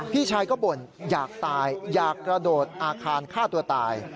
พี่ชายก็บ่นอยากตายอยากกระโดดอาคารฆ่าตัวตาย